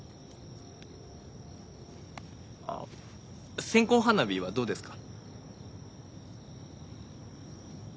あっ線香花火はどうですか。